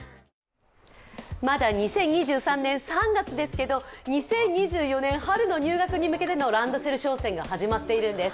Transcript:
まだ２０２３年３月ですけど２０２４年春に向けてのランドセル商戦が始まっているんです。